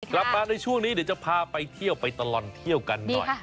กลับมาในช่วงนี้เดี๋ยวจะพาไปเที่ยวไปตลอดเที่ยวกันหน่อย